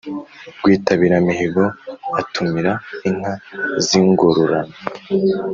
Rwitabiramihigo atumira inka z'ingororano